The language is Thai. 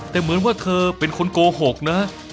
แต่เหมือนว่าเธอเป็นคนโกหกนะ